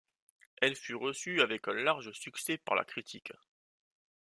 Elle fut reçue avec un large succès par la critique.